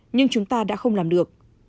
nhưng chúng ta đã không làm được